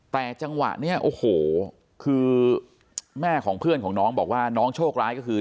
แต่จังหวะนี้โอ้โหคือแม่ของเพื่อนของน้องบอกว่าน้องโชคร้ายก็คือ